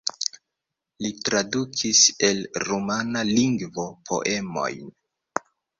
Li tradukis el rumana lingvo poemojn.